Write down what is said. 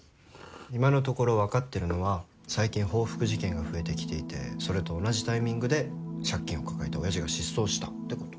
今のところ分かってるのは最近報復事件が増えてきていてそれと同じタイミングで借金を抱えた親父が失踪したってこと。